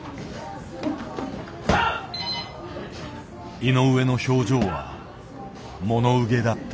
井上の表情はもの憂げだった。